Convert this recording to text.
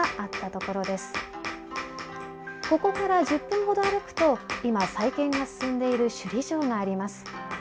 ここから１０分ほど歩くと今再建が進んでいる首里城があります。